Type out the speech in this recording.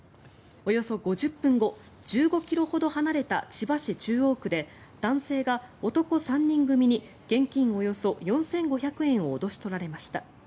およそ５０分後１５ｋｍほど離れた千葉市中央区で男性が男３人組に現金およそ４５００円を脅し取られました。